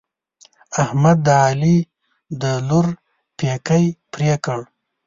احمد د علي د لور پېکی پرې کړ.